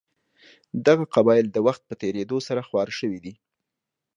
دغه قبایل د وخت په تېرېدو سره خواره شوي دي.